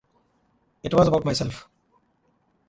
It was about myself.